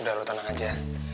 udah lo tenang aja